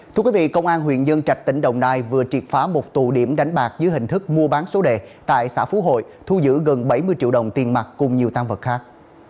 thưa quý vị công an huyện nhân trạch tỉnh đồng nai vừa triệt phá một tù điểm đánh bạc dưới hình thức mua bán số đề tại xã phú hội thu giữ gần bảy mươi triệu đồng tiền mặt cùng nhiều tăng vật khác